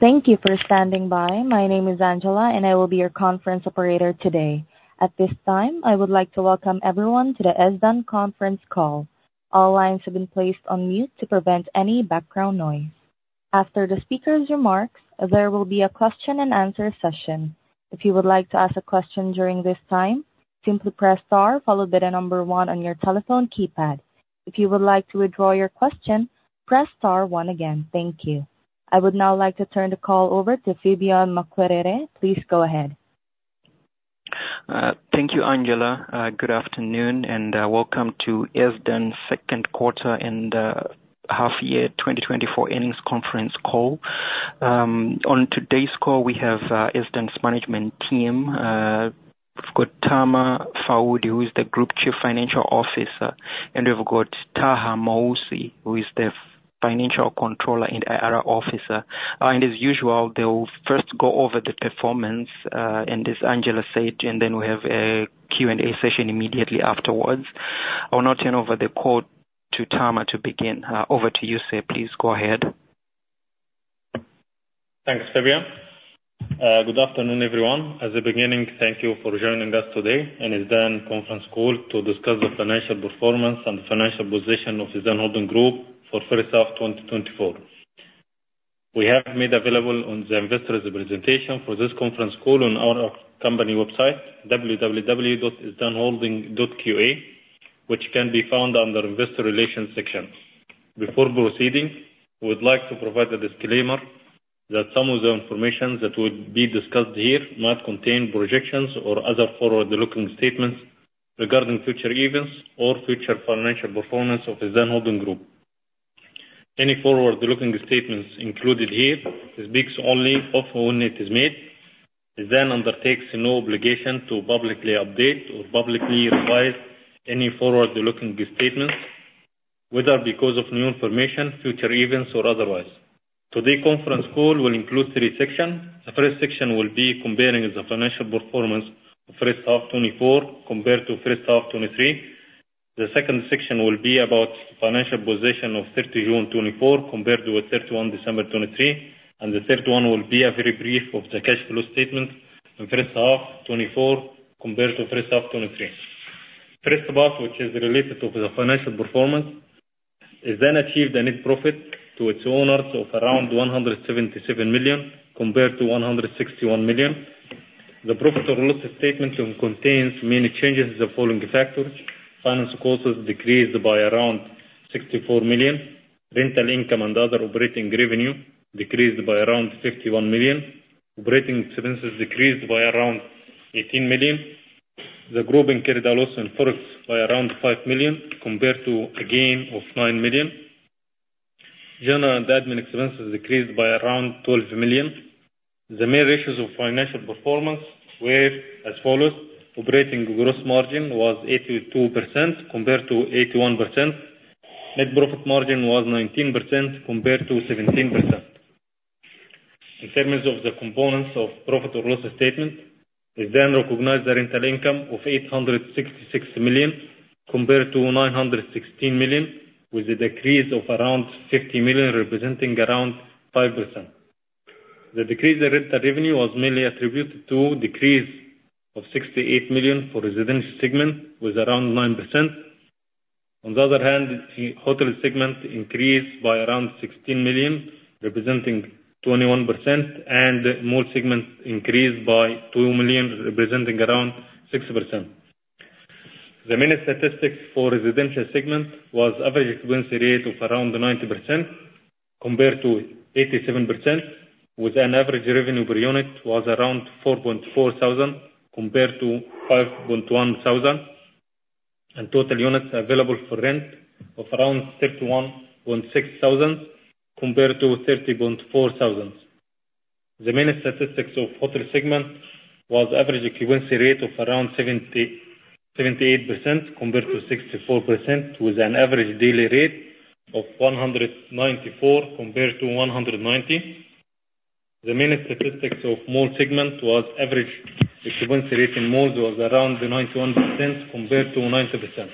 Thank you for standing by. My name is Angela, and I will be your conference operator today. At this time, I would like to welcome everyone to the Ezdan Conference Call. All lines have been placed on mute to prevent any background noise. After the speaker's remarks, there will be a question and answer session. If you would like to ask a question during this time, simply press star, followed by the number one on your telephone keypad. If you would like to withdraw your question, press star one again. Thank you. I would now like to turn the call over to Fabian Mukwerere. Please go ahead. Thank you, Angela. Good afternoon and welcome to Ezdan Second Quarter and Half Year 2024 Earnings Conference Call. On today's call, we have Ezdan's management team. We've got Tamer Fouad, who is the Group Chief Financial Officer, and we've got Taha Moussa, who is the Financial Controller and IR Officer. And as usual, they will first go over the performance, and as Angela said, and then we have a Q&A session immediately afterwards. I will now turn over the call to Tamer to begin. Over to you, sir. Please go ahead. Thanks, Fabian. Good afternoon, everyone. At the beginning, thank you for joining us today in Ezdan conference call to discuss the financial performance and financial position of Ezdan Holding Group for first half, 2024. We have made available on the investors presentation for this conference call on our company website, www.ezdanholding.qa, which can be found under Investor Relations section. Before proceeding, we would like to provide a disclaimer that some of the information that will be discussed here might contain projections or other forward-looking statements regarding future events or future financial performance of Ezdan Holding Group. Any forward-looking statements included here speaks only of when it is made. Ezdan undertakes no obligation to publicly update or publicly revise any forward-looking statements, whether because of new information, future events, or otherwise. Today conference call will include three sections. The first section will be comparing the financial performance of first half 2024 compared to first half 2023. The second section will be about financial position of 30 June 2024 compared with 31 December 2023, and the third one will be a very brief overview of the cash flow statement in first half 2024 compared to first half 2023. First part, which is related to the financial performance, Ezdan achieved a net profit to its owners of around 177 million, compared to 161 million. The profit and loss statement contains main changes the following factors: finance costs decreased by around 64 million, rental income and other operating revenue decreased by around 61 million, operating expenses decreased by around 18 million. The growth in carried loss in products by around 5 million compared to a gain of 9 million. General and admin expenses decreased by around 12 million. The main ratios of financial performance were as follows: operating gross margin was 82% compared to 81%. Net profit margin was 19% compared to 17%. In terms of the components of profit or loss statement, Ezdan recognized the rental income of 866 million compared to 916 million, with a decrease of around 60 million, representing around 5%. The decrease in rental revenue was mainly attributed to decrease of 68 million for residential segment, with around 9%. On the other hand, the hotel segment increased by around 16 million, representing 21%, and mall segment increased by 2 million, representing around 6%. The main statistics for residential segment was average occupancy rate of around 90% compared to 87%, with an average revenue per unit was around 4,400 compared to 5,100, and total units available for rent of around 31,600, compared to 30,400. The main statistics of hotel segment was average occupancy rate of around 77, 78% compared to 64%, with an average daily rate of 194 compared to 190. The main statistics of mall segment was average occupancy rate in malls was around 91% compared to 90%.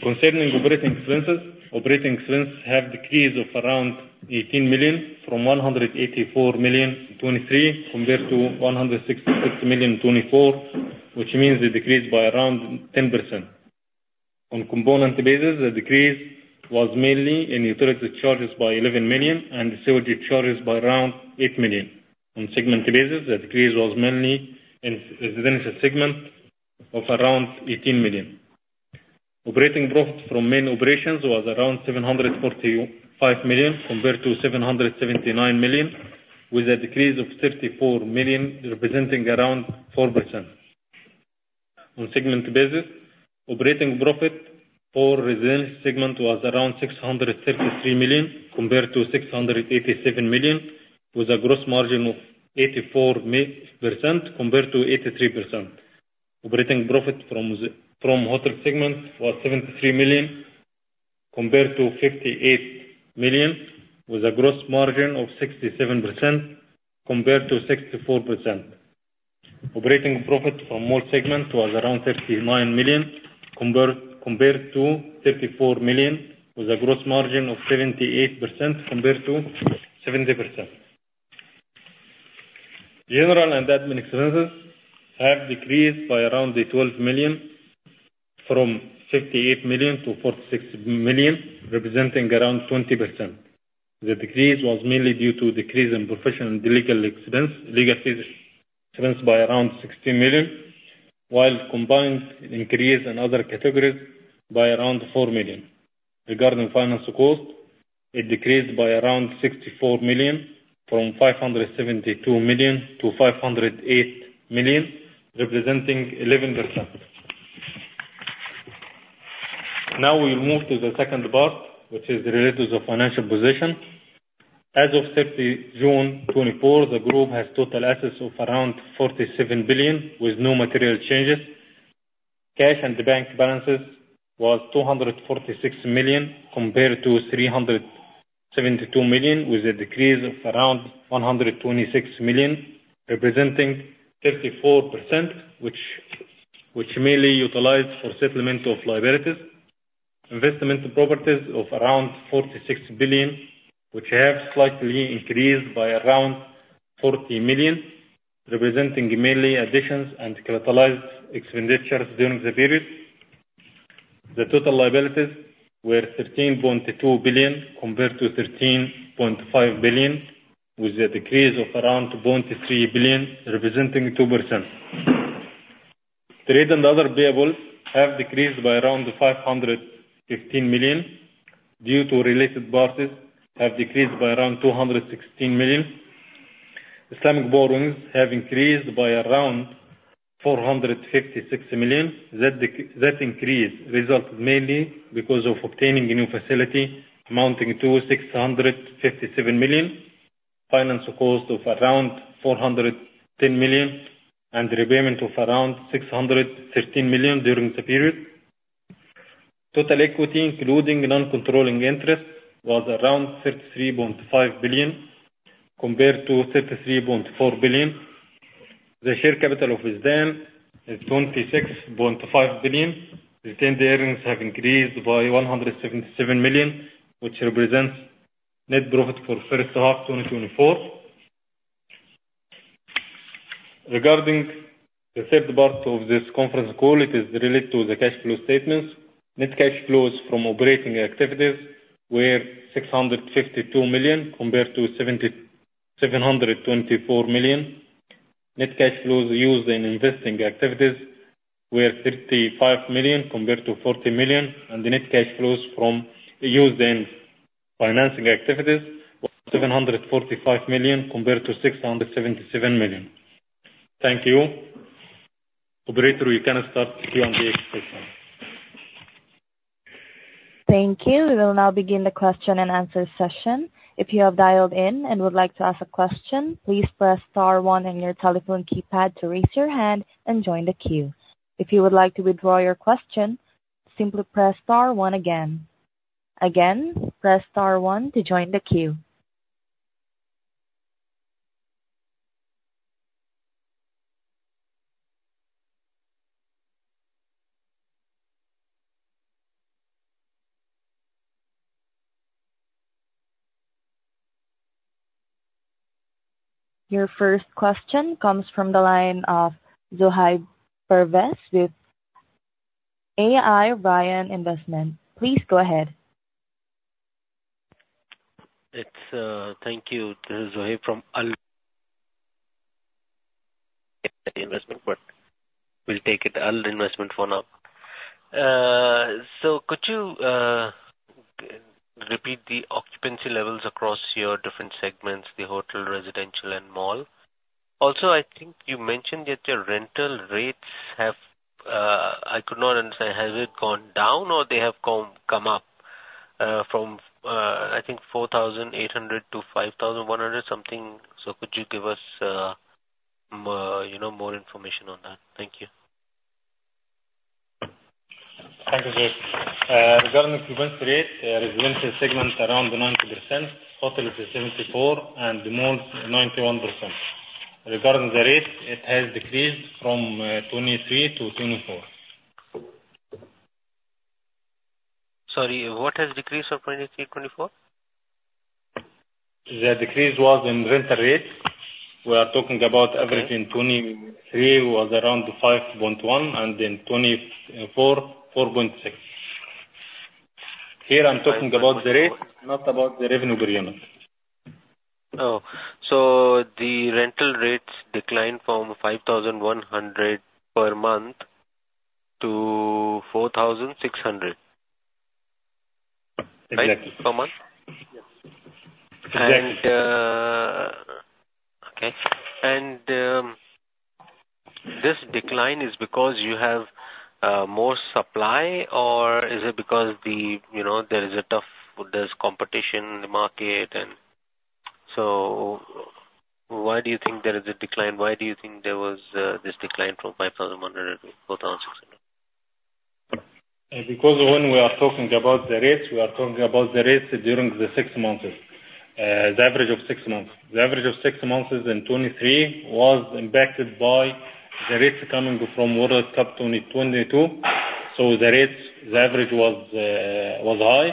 Concerning operating expenses, operating expenses have decreased of around 18 million from 184 million in 2023 compared to 166 million in 2024, which means a decrease by around 10%. On component basis, the decrease was mainly in utilities charges by 11 million and sewerage charges by around 8 million. On segment basis, the decrease was mainly in residential segment of around 18 million. Operating profit from main operations was around 745 million, compared to 779 million, with a decrease of 34 million, representing around 4%. On segment basis, operating profit for residential segment was around 633 million, compared to 687 million, with a gross margin of 84% compared to 83%. Operating profit from the hotel segment was 73 million compared to 58 million, with a gross margin of 67% compared to 64%. Operating profit from mall segment was around 59 million, compared to 34 million, with a gross margin of 78% compared to 70%. General and admin expenses have decreased by around 12 million, from 58 million to 46 million, representing around 20%. The decrease was mainly due to decrease in professional and legal expense, legal fees expense by around 16 million, while combined increase in other categories by around 4 million. Regarding financial support, it decreased by around 64 million from 572 million to 508 million, representing 11%. Now we move to the second part, which is related to the financial position. As of 30 June 2024, the group has total assets of around 47 billion, with no material changes. Cash and bank balances was 246 million, compared to 372 million, with a decrease of around 126 million, representing 34%, which mainly utilized for settlement of liabilities. Investment properties of around 46 billion, which have slightly increased by around 40 million, representing mainly additions and capitalized expenditures during the period. The total liabilities were 13.2 billion compared to 13.5 billion, with a decrease of around 0.3 billion, representing 2%. Trade and other payables have decreased by around 515 million, due to related parties have decreased by around 216 million. Islamic borrowings have increased by around 456 million. That increase resulted mainly because of obtaining a new facility amounting to 657 million, financial cost of around 410 million, and repayment of around 613 million during the period. Total equity, including non-controlling interest, was around 33.5 billion, compared to 33.4 billion. The share capital of Ezdan is 26.5 billion. Retained earnings have increased by 177 million, which represents net profit for first half 2024. Regarding the third part of this conference call, it is related to the cash flow statements. Net cash flows from operating activities were 652 million, compared to 772.4 million. Net cash flows used in investing activities were 35 million, compared to 40 million, and the net cash flows used in financing activities was 745 million, compared to 677 million. Thank you. Operator, you can start the Q&A session. Thank you. We will now begin the question and answer session. If you have dialed in and would like to ask a question, please press star one on your telephone keypad to raise your hand and join the queue. If you would like to withdraw your question, simply press star one again. Again, press star one to join the queue. Your first question comes from the line of Zohaib Pervez with Al Rayan Investment. Please go ahead. It's, thank you. This is Zohaib from Al Rayan Investment, but we'll take it, Al Rayan Investment for now. So could you repeat the occupancy levels across your different segments, the hotel, residential, and mall? Also, I think you mentioned that your rental rates have, I could not understand. Has it gone down or they have come up, from, I think 4,800 to 5,100 something. So could you give us, you know, more information on that? Thank you. Thank you. Regarding occupancy rate, residential segment around 90%, hotel is 74, and the mall, 91%. Regarding the rate, it has decreased from 2023-2024. Sorry, what has decreased from 2023, 2024? The decrease was in rental rate. We are talking about Okay. average in 2023 was around 5.1, and in 2024, 4.6. Here I'm talking about the rate, not about the revenue per unit. Oh, so the rental rates declined from 5,100 per month to 4,600. Exactly. Per month? Yes. Exactly. And, okay. And, this decline is because you have more supply, or is it because the, you know, there is a tough, there's competition in the market? And so why do you think there is a decline? Why do you think there was this decline from 5,100 to 4,600? And because when we are talking about the rates, we are talking about the rates during the six months, the average of six months. The average of six months in 2023 was impacted by the rates coming from World Cup 2022. So the rates, the average was high,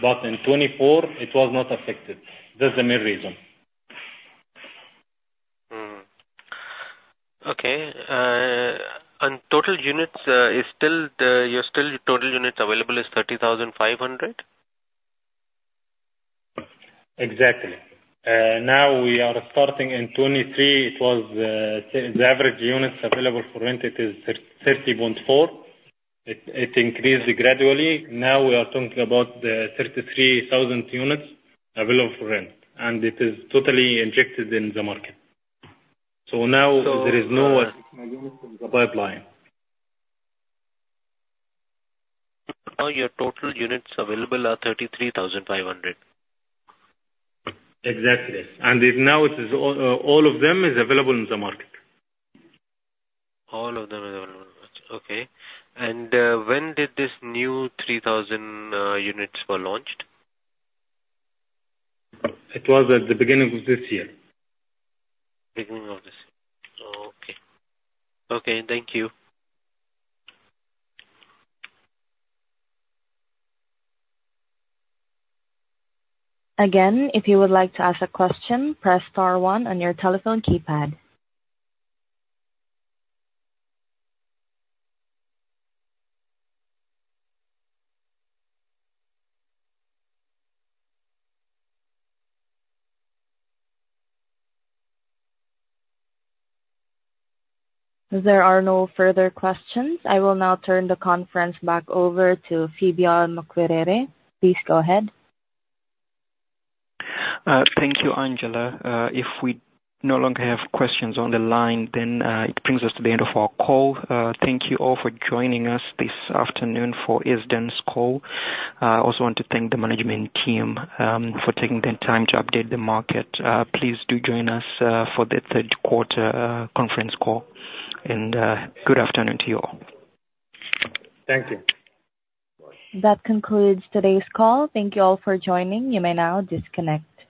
but in 2024 it was not affected. That's the main reason. Okay. And total units is still the total units available is 30,500? Exactly. Now we are starting in 2023, it was the average units available for rent it is 30.4. It increased gradually. Now we are talking about 33,000 units available for rent, and it is totally injected in the market. So now there is no pipeline. Now your total units available are 33,500? Exactly. And it now it is all, all of them is available in the market. All of them are available, okay. When did this new 3,000 units were launched? It was at the beginning of this year. Beginning of this year. Okay. Okay, thank you. Again, if you would like to ask a question, press star one on your telephone keypad. As there are no further questions, I will now turn the conference back over to Fabian Mukwerere. Please go ahead. Thank you, Angela. If we no longer have questions on the line, then it brings us to the end of our call. Thank you all for joining us this afternoon for Ezdan's call. I also want to thank the management team for taking the time to update the market. Please do join us for the third quarter conference call, and good afternoon to you all. Thank you. That concludes today's call. Thank you all for joining. You may now disconnect.